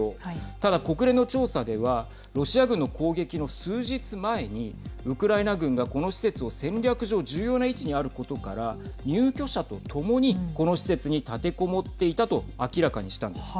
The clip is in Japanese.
ただ、国連の調査ではロシア軍の攻撃の数日前にウクライナ軍が、この施設を戦略上重要な位置にあることから入居者とともにこの施設に立てこもっていたと明らかにしたんです。